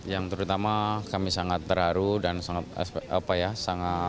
yang terutama kami sangat terharu dan sangat bangga